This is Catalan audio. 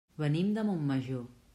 Venim de Montmajor.